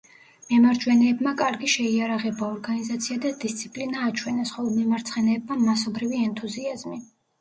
მემარჯვენეებმა კარგი შეიარაღება, ორგანიზაცია და დისციპლინა აჩვენეს, ხოლო მემარცხენეებმა მასობრივი ენთუზიაზმი.